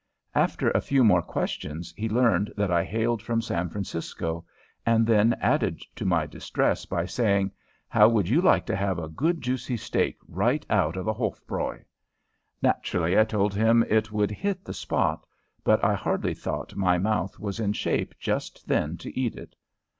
After a few more questions he learned that I hailed from San Francisco, and then added to my distress by saying, "How would you like to have a good juicy steak right out of the Hofbräu?" Naturally, I told him it would "hit the spot," but I hardly thought my mouth was in shape just then to eat it.